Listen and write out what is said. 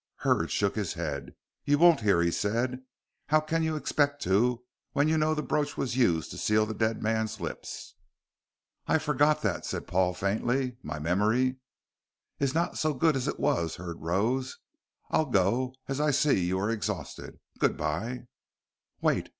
Hurd shook his head. "You won't hear," he said. "How can you expect to when you know the brooch was used to seal the dead man's lips?" "I forgot that," said Paul, faintly. "My memory " "Is not so good as it was." Hurd rose. "I'll go, as I see you are exhausted. Good bye." "Wait!